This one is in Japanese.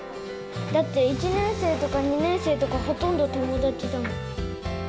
だって、１年生とか２年生とか、ほとんど友達だもん。